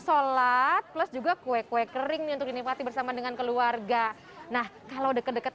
sholat plus juga kue kue kering nih untuk dinikmati bersama dengan keluarga nah kalau deket deket